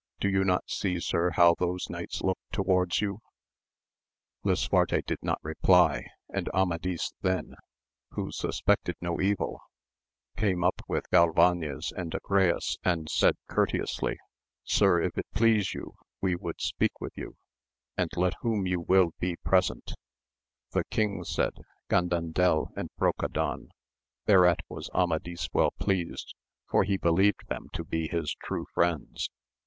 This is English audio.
Do you not see sir how those knights look towards you? lisuarte did not reply, and Amadis then, who suspected no evil, came up with Galvanes and Agrayes and said courteously, Sir, if it please you we would speak with you, and let whom you will be present ; the king said, Gandandel and Brocadan ; thereat was Amadis well pleased, for he believed them to be his true friends.